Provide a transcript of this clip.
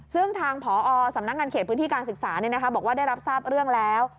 ซึ่งทางผอสำนักงานเขตพื้นที่การศึกษาบอกว่าได้รับทราบเรื่องแล้ว